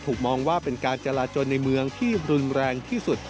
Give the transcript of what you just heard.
มองว่าเป็นการจราจนในเมืองที่รุนแรงที่สุด